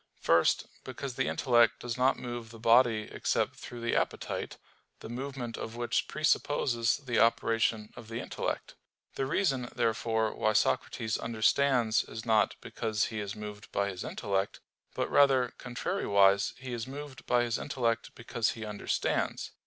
First, because the intellect does not move the body except through the appetite, the movement of which presupposes the operation of the intellect. The reason therefore why Socrates understands is not because he is moved by his intellect, but rather, contrariwise, he is moved by his intellect because he understands.